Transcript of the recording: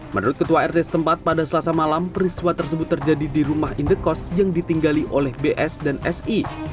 menurut ketua rt setempat pada selasa malam peristiwa tersebut terjadi di rumah indekos yang ditinggali oleh bs dan si